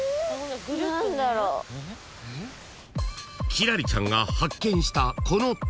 ［輝星ちゃんが発見したこの竹］